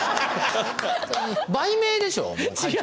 売名でしょ？